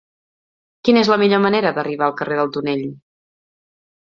Quina és la millor manera d'arribar al carrer del Tonell?